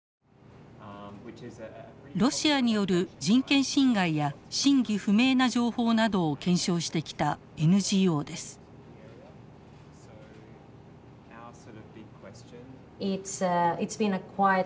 ロシアによる人権侵害や真偽不明な情報などを検証してきたＮＧＯです。